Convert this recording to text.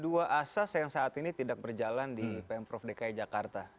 dua asas yang saat ini tidak berjalan di pemprov dki jakarta